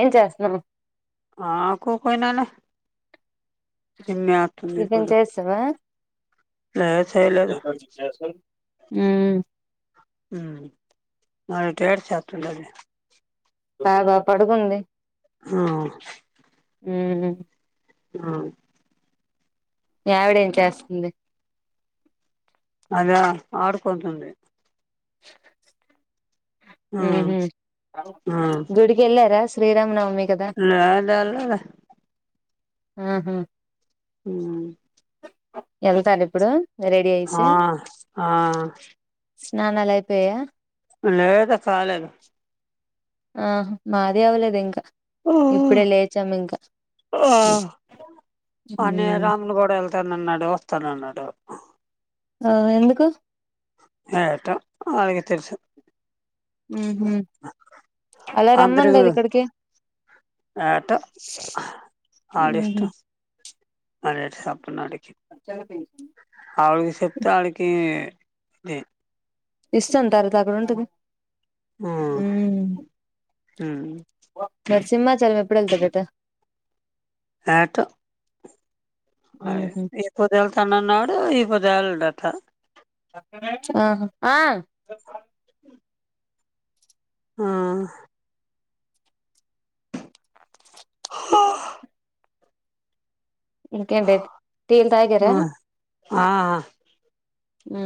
ఏం చేస్తుర్రు ఆ కుకున్నానే టిఫిన్ చేస్తివా లేదు చేయలేదు ఎంత విజ్ఞస మ్ హుమ్ మ రిటేడ్ చాతుండడ్ లే బాగా పడుకుంది ఆ ఉ హు ఆ మీ ఆవిడ ఏం చేస్తుంది అదా ఆడుకుంటుంది [unintelligible] హు హుమ్ గుడి కెళ్ళరా స్ శ్రీరామనవమ్ లా లల్లా లా ఆహా ఏళ్తార్ ఇప్పుడు రెడీ అయిసి ఆ ఆ స్నానాల్ అయిపోయా లేదు కాలేదు ఆ మాది అవలేదు ఇంకా ఇప్పుడే లేచాం ఇంకా ఆ హ్మ్ త్త నన్నాడు వస్తానన్నాడు ఆ ఎందుకు ఏటో అలగే తెలుసుా హు హుమ్ అలా అందరి రమ్మన్ లేదు ఇక్కడికి ఏటో అరే సప్పుడన్నిక్ ఆవ్ డికి సప్తే ఆడికి దే ఇస్తాం తరుత అక్కడ ఉంటుది మరి సింమాచలం ఎప్పుడు వెళ్తాడట ఏటో ఆరే మ్హూ ఈ పొద్దు ఎల్తనన్నాడు ఈ పొద్ జాల్ డట ఆ ఆ ఆ ఆా ఇంకేంటి అయిత్ టీ ల్ తాగరా ఆ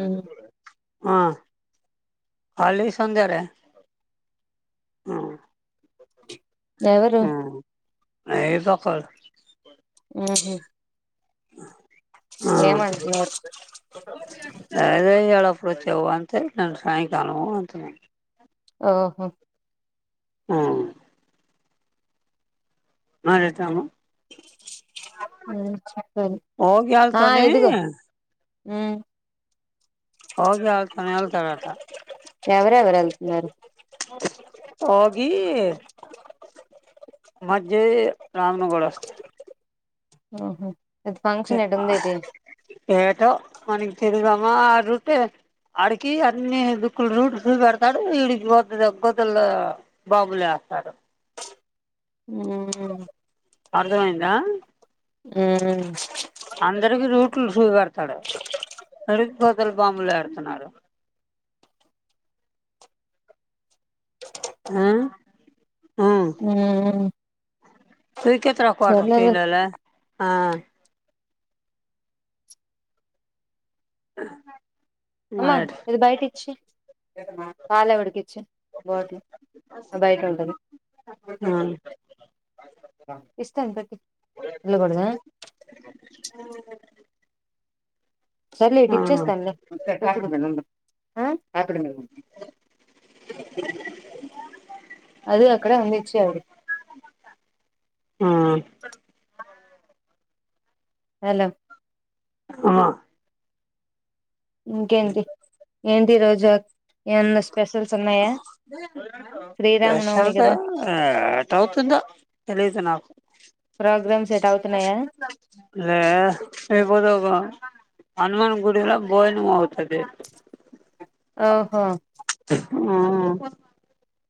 ఆ ఎ చెూడ ఆ అళీ సంధ్యారే హు ఎవరు ఏ దక్క. ఉహు. ఆ ఏమంటున్నారు అదే ఇడ. ఎప్పుడొచ్చావా అంటే నాన్ సాయంకాలం అంటున్నా. ఓహో. ఆ. మరిఎంటము ఆ సరే ఆ ఓగియాలతోని ఇదిగో. ఉమ్. యోగి ఎవల్తోనో వెళ్తాడట. ఎవరెవరు వెళ్తున్నారు. వోగి. మధ్యది రామ్నగడ వస్త. ఓహా. అయితే ఫంక్షన్ ఈడుండేటి. పో మార్నింగ్ తెలుదమ్మా ఆ రూటే ఆడికి అన్ని దుక్కులు రూట్ చుపెడతాడు ఇడికి వద్ద గొదలో బాబులేస్తాడు ఉమ్ అర్థమైందా. ఉమ్. అందరికి రూట్లు చూప పెడతాడు తరి కోతల బాంబులు పెడుతున్నాడు. ఆ. ఆ ఉమ్. తిరికేతరావు కోట సర్లేవే పిలోండ్ల ఆ. అమ్మా రైట్ ఇది బయటి ఇచ్చి పాలవాడికి. చే బటిల్ బయట ఉంటది ఆ ఇస్తా పట్టు వెళకూడద. సర్లే ఇటు అవును ఇచ్చేస్తానులే. ఆ. అక్కడుండు. అది అక్కడ ఆయన ఇచ్చాడు. ఆ ఎలాం. ఆ. ఇంకేంటి ఏంది ఈరోజు ఏమన్నా స్పీ. శ్రీరామనవమి ప్రజెంట్ కదా ఎట్ అవుతుందో తెలియదు నాకు ప్రోగ్రామ్స్ సెట్ అవుతున్నాయా [inaudible] హనుమాన్ గుడిలో భోజనం అవుతది. ఓహో. ఆ.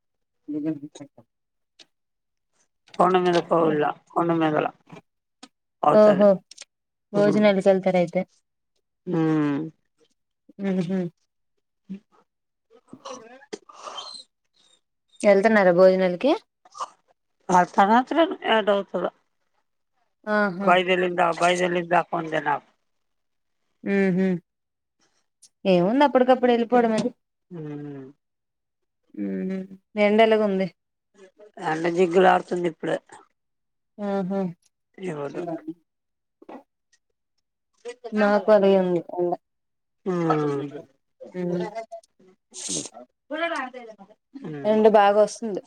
గిన్నెలు చూపెడతాం. కొండ మీద పోవల్లా కొండ మీదల్ల అవుతది ఓహో ఊ భోజనాలకి వెళ్తారు అయితే ఊమ్ ఊహూ ఎళ్తున్నారా భోజనానికి అ [unintelligible] ఏటవుతదో ఆహా బైలెల్లిందా బైలెల్లిందా కొండ నా ఏముంది అప్పుటికప్పుడు వెళ్ళిపోవడమే ఊ ఊ ఎండలుగుంది ఎండ జిగ్గులాడుతుంది ఇప్పుడు ఆహా ఈ రోజా మాకుంది అ ఉమ్ ద మ రండు బాగా వస్తుంది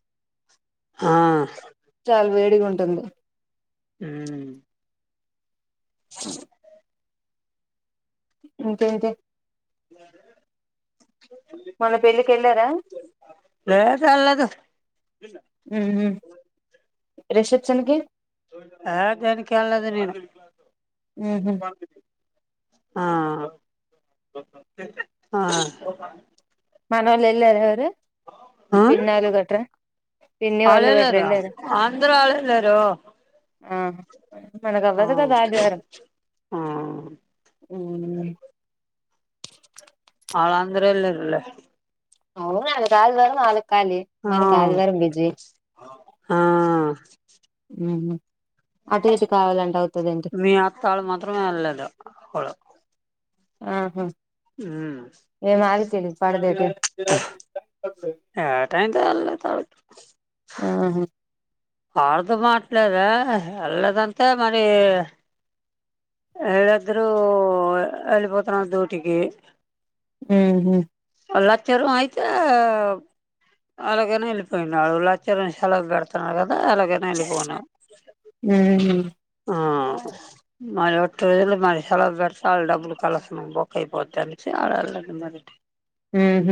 ఆ చాలా వేడిగా ఉంటుంది హ అ ఇకే ఇకా అ మొన్న పెళ్ళికి వెళ్ళారా లే చల్దు ఆ రిసెప్షన్ కి ఆ దానికి వెళ్ళదు నేను ఆహ ఆ ఆ మనవళ్ళ ఎళ్రవరు ఆ పిన్నాళ్ళు కట్రా పిన్ని వాళ్ళు కట్రా ఆళ్ళెళ్ళారు ఇ లేద అందరూ ఆళ్ళెళ్ళారు ఆ మనకు ఆ అవ్వదు కదా ఆదివారం ఆ ఆళ అంద్ర ఇలిర్లే అవునా అలు కాలు వారం నాలు కాలి ఆ మనకి ఆది వారం బిజి ఆ మ్ హు మీ అత్త ఆళ మాత్రమే వెళ్ళదు అళ ఆహా ఏం ఆరో తేదీ పడదేటి అబ్బే [unintelligible] ఆహా ఆడుదు పట్లేద వెళ్ళదంటే మరి హిలీద్దురు ఎలిపోతున డుటికి ఉమ్మ్ లచ్చర అయితే అలాగనే వెళ్ళిపోయినా వాడు లచ్చరం సెల పెడుతున్నారు కదా అలాగనే ఎల్లి పోనా ఉహు ఆ మరి ఒట్టి రోజులు మరి సెలవు పెడితే వాళ్ళ డబ్బులు కలసినం బొక్ అయిపోద్ అనిసి వాడ వెళ్ళండి మరి ఉమ్మ్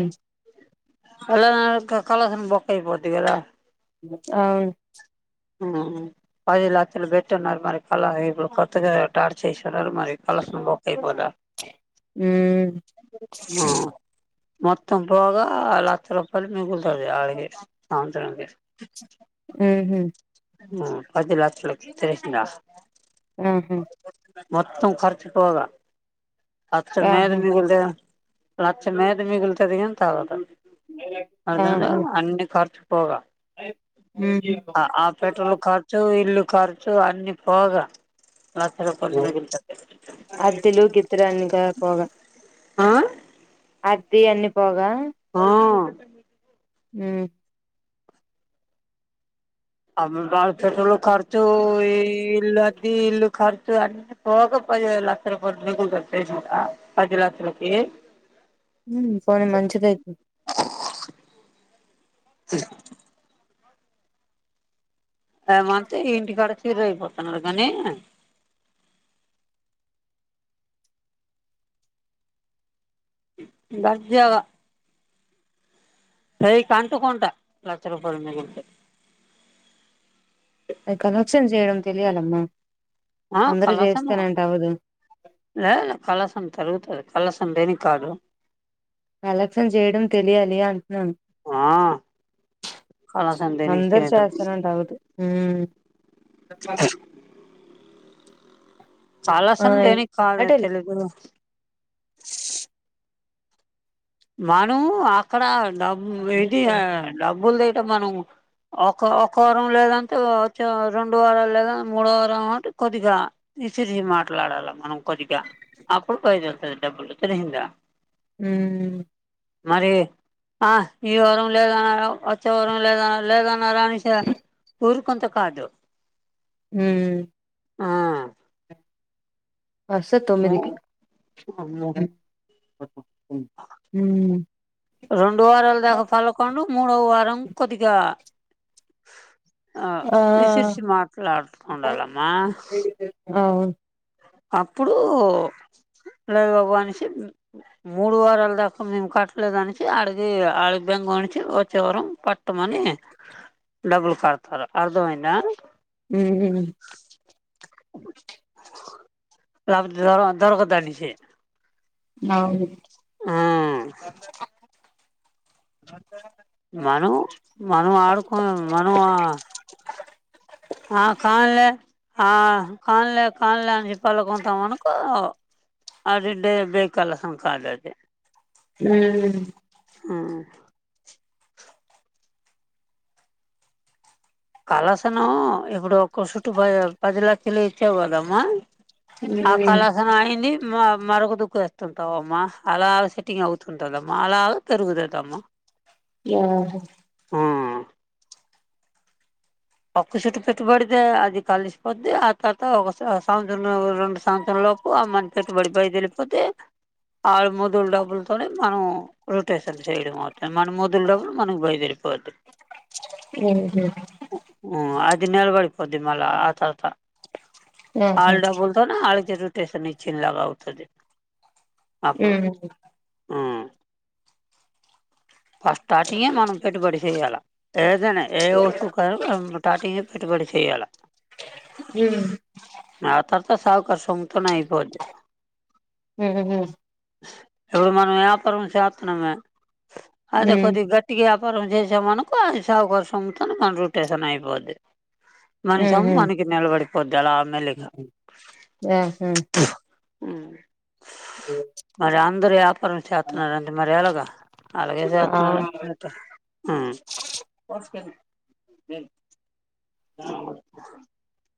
అలా కళసన బొక్కయి పోతదిగద అవును పది లక్షలు పెట్టిన్నారు మరి కళ ఇప్పుడు కొత్తగ టార్చ్ ఎసీ మరి కలెక్షన్ బొక్క అయిపోద హమ్ మొత్తం పొగ లక్ష రూపాయల్ మిగుల్తది అడిగి సాయంత్రానికి ఉహ్మ పది లక్షలు [unintelligible] ఉమ్మ్ మొత్తం ఖర్చుపొగ అత్ర మేలు ఆహా మిగలేదే ప్ర మేత మీగులుతది గని తాగదు అ ఆహా అన్ని ఖర్చ పోగా ఉహు ఆ పెట్రోల్ ఖర్చు ఇల్ ఖర్చు అన్ని పోగ అద్దిలు గీద్దులు అన్ని పోగా ఆ అద్ది అన్ని పోగా ఆ అ హమ్ [unintelligible] పెట్రోల్ఖర్చు ఇల్లు అద్ది ఇల్లుఖర్చు అ అన్ని పోగ పది లక్ష రపాయ నికులు పది లక్షలకి ఉమ్ పోనీ మంచిదయితే అ ఏమంతే ఇంటికాడ చీర అయిపోతున్నారు కనీ దర్జాగా సై కంటు కొంట లక్ష రూపాయలున్నకుంట కలెక్షన్ చేయడం తెలియాలమ్మా ఆ అందరూ కళసనా చేస్తానంటే అవ్వదు లే కళసం పెరుగుతాది కస అందేని కాదు కలెక్షన్ చేయడం తెలియాలి అంటున్నాను ఆ కలసం దేనికి అందరు తెలియదు చేస్తారంటే అవ్వదు ఆ పలసం దేని కాద తెలుగు ష్ మనం అక్కడ డబ్ ఏది డబ్బల్ దెయి అంటే మనం ఒక ఒక వారంం లేదంటే వచ్చె రెండు వార లేద మూడో వారం అంటే కొద్దిగా విసిరిస మాట్లాడాలి మనం కొద్దిగా అప్పుడు బయదళ్తుంది డబ్బులు తలిసింద హుమ్ మరి ఆ ఈ వారం లేదన్నాడు వచ్చే వారం లేద లేదన్న నారాయణశ వూర్కు కొంత కాదు హుమ్ ఆయ్ అర్స్య తొమ్మిదికి ము హం పర్పు రెండు వారాల్ దాకా పల్కొండు మూడవ వారం కొద్దిగా ఫ్ ఆ విసిసి మాట్లాడుకుండలమ్మా అవున్ అప్పుడు లేదుమనిషి అనేసి మూడు వారాల దాకా మేము కట్టలేదు అనేసి ఆడిది ఆడి బెంగ అని వచ్చే వారం పట్ట ఉత్తమని డబ్బులు కడుతారు అర్థమైందా ఊహమ్ లా వ్ అంత దూరు దొరకదండి చైన్ మ ఊరి మాయ ఆహ్ [inaudible] మనం మనం ఆడుకోం మనము ఆ కాల్లే ఆ కన్లే కన్లే అనిసి పల్కుంటామనకు అ దిడ్డే బల సంకాల అది ఉమ్ హా కలశ నుఇప్పుడు ఒక్క చుట్టుూ పది లక్షలు ఇచ్చావు కదమ్మా ఆ మ్మ్ కళశన అయింది మా మరొ దుక్కు వస్తుంటావు అమ్మా అలా సెట్టింగ్ అవుతుంటదమ్మా అలా తిరుగుతదమ్మా ఎవరో ఒక్క చెుట్టు పెట్టుబడితే అది కలిసిపోద్ది ఆ తర్వాత ఒక సంవత్సరం రెండు సంవత్సరం లోపు మన పెట్టుబడి బయదళపోతే ఆ మొదులు డబ్బులతో మనం రొటేషన్ చేయడం అవుతుం మన మొదులు డబ్బులు మనకు బయదేరిపోద్ది ఊహుమ్ ఆ అది నిలబడిపోద్ది మళ అ తరువాత ఆహా హోల్డ్ బోల్తా హల్క్ రోటీ తేసని చిల్లరవుతది అప్పుడు మ్మ్ అమ్ ఫస్ట్ స్టార్టింగే మనం పెట్టుబడి చేయ్యాలా తే ఎదైనా ఏ వస్తుకైన స్టార్టింగ్ పెట్టుబడి చేయాలా హమ్ సోంకార్ సొమ్ముతోనే ఐపోది [unintelligible] ఎప్పుడు మనం ఏర్పాటు చేత్నమే అదే కొద్ది గట్టిగా కరం చేసామనుకో అది సౌకర్ సొమ్ముతోని మన రొటేషన్ అయిపోద్ది మ్మ్ మనిషం మ్మ్ మనకి నలబడి ఆహా అమ్ మరి అందరు వ్యాపారం చేస్తున్నారంటడి మరి ఎలాగా జ చేతనారా అవును ఆ [unintelligible]